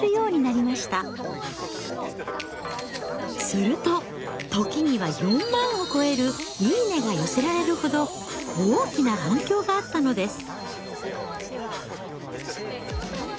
すると時には４万を超える「いいね」が寄せられるほど大きな反響があったのです。